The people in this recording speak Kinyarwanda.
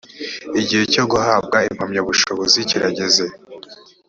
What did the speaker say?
igihe cyo guhabwa impamyabushobozi kirageze